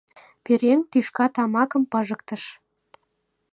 Пӧръеҥ тӱшка тамакым пижыктыш.